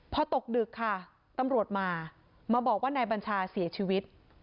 พอตกดึกค่ะตำรวจมามาบอกว่านายบัญชาเสียชีวิต